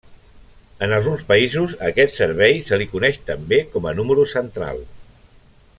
En alguns països a aquest servei se li coneix també com a Número Central.